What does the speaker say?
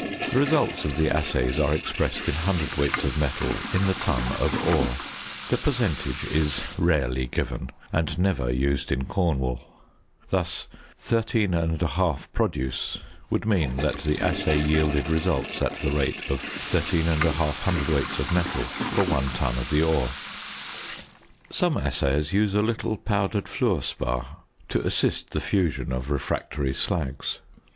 The results of the assays are expressed in cwts. of metal in the ton of ore. The percentage is rarely given and never used in Cornwall. Thus "13 1/2 Produce" would mean that the assay yielded results at the rate of 13 1/2 cwts. of metal for one ton of the ore. Some assayers use a little powdered fluor spar to assist the fusion of refractory slags.